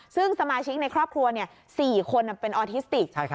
ซึ่งสมาชิกในครอบครัว๔คนเป็นออทิสติก